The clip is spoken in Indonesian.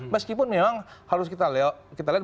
meskipun memang harus kita lihat